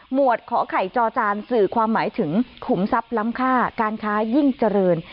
วดขอไข่จอจานสื่อความหมายถึงขุมทรัพย์ล้ำค่าการค้ายิ่งเจริญ